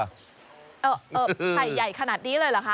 ไข่ใหญ่ขนาดนี้เลยเหรอคะ